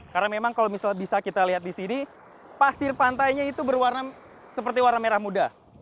karena memang kalau misal bisa kita lihat di sini pasir pantainya itu berwarna seperti warna merah muda